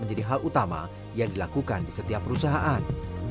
menjadi hal utama yang dilakukan di setiap perusahaan